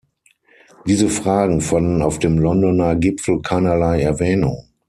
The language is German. Diese Fragen fanden auf dem Londoner Gipfel keinerlei Erwähnung.